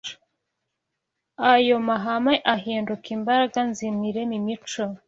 Ayo mahame ahinduka imbaraga nzima irema imico